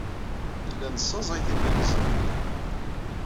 Nella nessaẓay tibalizin-nteɣ.